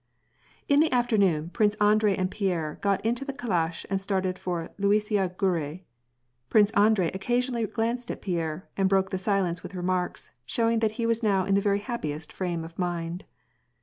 Ik the afternoon, Prince Andrei and Pierre got into the calash and started for Luisiya Gorui. Prince Andrei occasion ally glanced at Pierre and broke the silence with remarks, showing that he was now in the very happiest frame of mind.